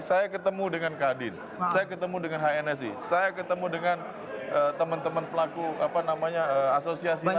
saya ketemu dengan kak din saya ketemu dengan hnsi saya ketemu dengan teman teman pelaku asosiasi lainnya